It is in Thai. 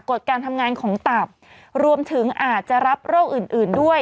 ดการทำงานของตับรวมถึงอาจจะรับโรคอื่นอื่นด้วย